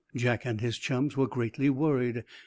Jack and his chums were greatly worried.